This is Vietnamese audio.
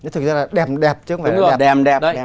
thực ra là đẹp đẹp chứ không phải là đẹp đẹp